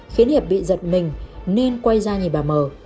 khiến hiệp bị giật mình nên quay ra nhìn bà m